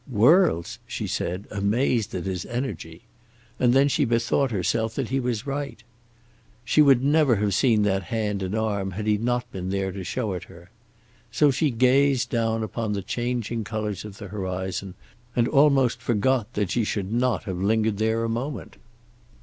"Worlds!" she said, amazed at his energy; and then she bethought herself that he was right. She would never have seen that hand and arm had he not been there to show it her. So she gazed down upon the changing colours of the horizon, and almost forgot that she should not have lingered there a moment.